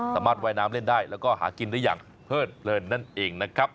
สามารถว่ายน้ำเล่นได้แล้วก็หากินได้อย่างเพิดเลินนั่นเองนะครับ